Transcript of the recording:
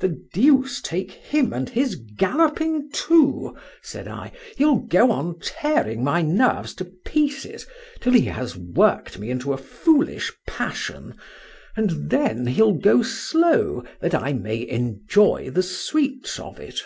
—The deuce take him and his galloping too—said I,—he'll go on tearing my nerves to pieces till he has worked me into a foolish passion, and then he'll go slow that I may enjoy the sweets of it.